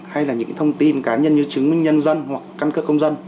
hay là những thông tin cá nhân như chứng minh nhân dân hoặc căn cước công dân